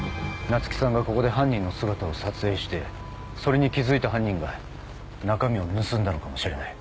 菜月さんがここで犯人の姿を撮影してそれに気付いた犯人が中身を盗んだのかもしれない。